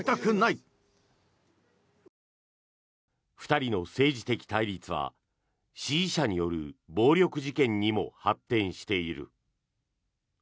２人の政治的対立は支持者による暴力事件にも発展している。